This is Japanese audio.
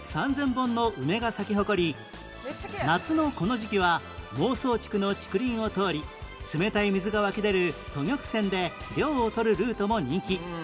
本の梅が咲き誇り夏のこの時期は孟宗竹の竹林を通り冷たい水が湧き出る吐玉泉で涼をとるルートも人気